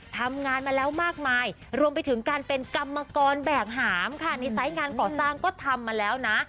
ทำงานมาแล้วมากมายรวมไปถึงการเป็นกรรมกรแบกหามค่ะในไซส์งานก่อสร้างก็ทำมาแล้วนะ